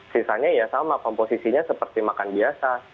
sisanya ya sama komposisinya seperti makan biasa